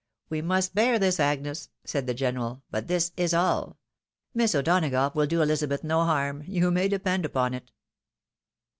We must bear this, Agnes," said the general ;" but this is all. Miss O'Donagough wUl do Elizabeth no harm, you may depend upon it."